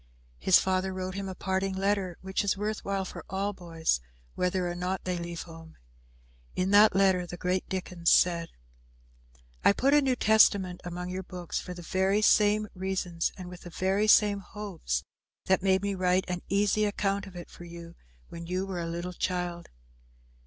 His father wrote him a parting letter, which is worth while for all boys, whether or no they leave home. In that letter the great Dickens said, "I put a New Testament among your books for the very same reasons and with the very same hopes that made me write an easy account of it for you when you were a little child.